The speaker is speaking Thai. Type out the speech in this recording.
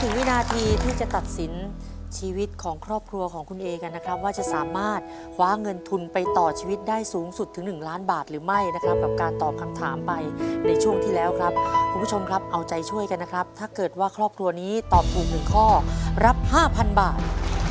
วินาทีที่จะตัดสินชีวิตของครอบครัวของคุณเอกันนะครับว่าจะสามารถคว้าเงินทุนไปต่อชีวิตได้สูงสุดถึง๑ล้านบาทหรือไม่นะครับกับการตอบคำถามไปในช่วงที่แล้วครับคุณผู้ชมครับเอาใจช่วยกันนะครับถ้าเกิดว่าครอบครัวนี้ตอบถูก๑ข้อรับ๕๐๐บาท